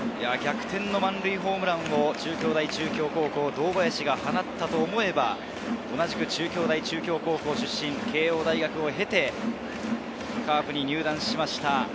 逆転の満塁ホームランを中京大中京高校の堂林が放ったかと思えば、中京大中京高校を経て慶應大学を経て、カープに入団しました。